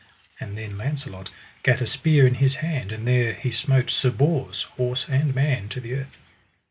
And then Launcelot gat a spear in his hand, and there he smote Sir Bors, horse and man, to the earth.